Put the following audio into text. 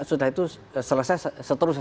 setelah itu selesai seterusnya